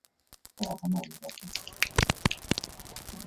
李诫墓位于河南省新郑市龙湖镇于寨村西。